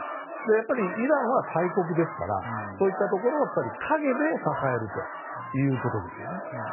やっぱりイランは大国ですからそういったところを陰で支えるということですよね。